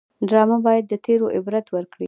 ډرامه باید د تېرو عبرت ورکړي